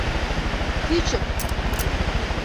Кӱчык.